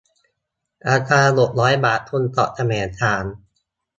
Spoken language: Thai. ราคา หกร้อย บาท ชมเกาะแสมสาร